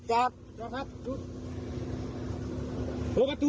จัดครับ